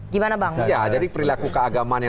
artinya berdampak pada proses pengusuhan